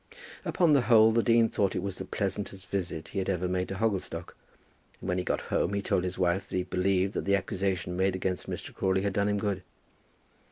Upon the whole the dean thought it the pleasantest visit he had ever made to Hogglestock, and when he got home he told his wife that he believed that the accusation made against Mr. Crawley had done him good.